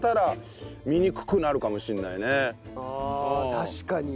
確かにね。